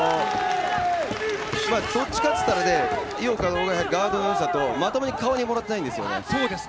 どっちかといったら、井岡のガードのよさと、まともに顔にもらってないんですよね。